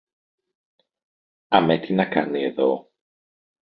Αμέ τι να κάνει εδώ;